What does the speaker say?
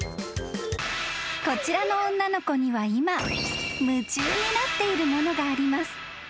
［こちらの女の子には今夢中になっているものがあります］